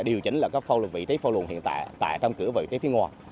điều chỉnh là vị trí phâu luồng hiện tại tại trong cửa vị trí phía ngoài